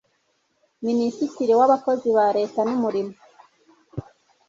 minisitiri w'abakozi ba leta n'umurimo